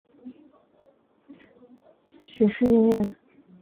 许世英人。